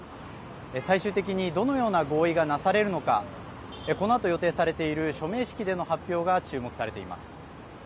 最終的に、どのような合意がなされるのかこのあと予定されている署名式での発表が注目されています。